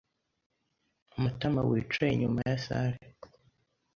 Matamawicaye inyuma ya salle.